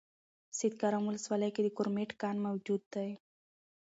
سیدکرم ولسوالۍ کې د کرومایټ کان موجود ده